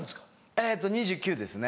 えっと２９歳ですね。